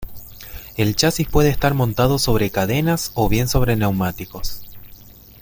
El chasis puede estar montado sobre cadenas o bien sobre neumáticos.